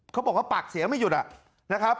เขาบอกว่าปากเสียไม่หยุดนะครับ